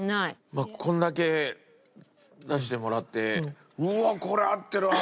まあこれだけ出してもらってうわっこれ合ってるわ！